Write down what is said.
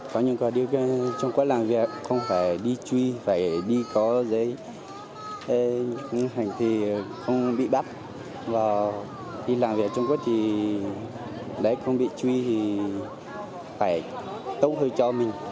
có những điều khiến trung quốc làm việc không phải đi truy phải đi có giấy nhưng hành thì không bị bắt và đi làm việc trung quốc thì để không bị truy thì phải tốt hơn cho mình